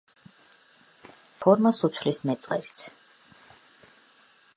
ხმელეთის ზედაპირს ფორმას უცვლის მეწყერიც